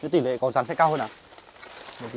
tỷ lệ con rắn sẽ cao hơn à